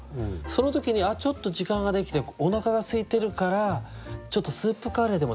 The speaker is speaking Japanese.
その時にちょっと時間ができておなかがすいてるからちょっとスープカレーでも食べようかなっていう。